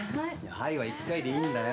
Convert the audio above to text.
「はい」は１回でいいんだよ。